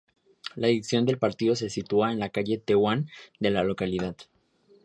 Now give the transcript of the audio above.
La dirección del partido se sitúa en la Calle Tetuán de la localidad.